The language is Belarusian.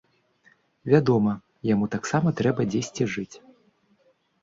Вядома, яму таксама трэба дзесьці жыць.